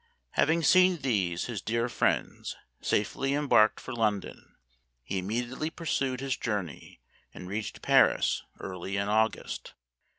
Having seen these, his dear friends, safely embarked for London, he immediately pursued his journey, and reached Paris early in August.